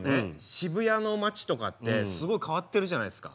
渋谷の街とかってすごい変わってるじゃないですか。